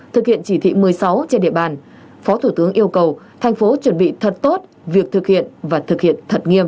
thực hiện chỉ thị một mươi sáu trên địa bàn phó thủ tướng yêu cầu thành phố chuẩn bị thật tốt việc thực hiện và thực hiện thật nghiêm